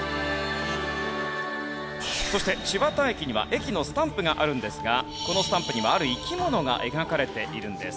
そして千綿駅には駅のスタンプがあるんですがこのスタンプにはある生き物が描かれているんです。